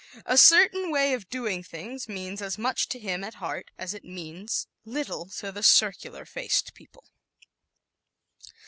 "A certain way of doing things" means as much to him, at heart, as it means little to the circular faced people.